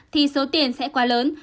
thì số tiền sẽ quá lớn